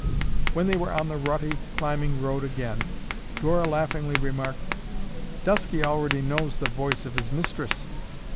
When they were on the rutty, climbing road again, Dora laughingly remarked, "Dusky already knows the voice of his mistress."